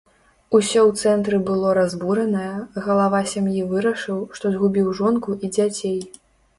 Усё ў цэнтры было разбуранае, галава сям'і вырашыў, што згубіў жонку і дзяцей.